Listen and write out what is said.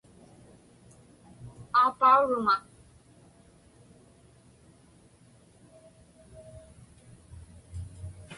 Aapauruŋa.